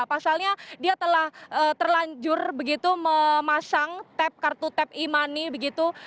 pasalnya dia telah terlanjur begitu memasang kartu tep imani begitu